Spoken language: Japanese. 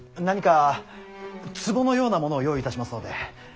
何か壺のようなものを用意いたしますので。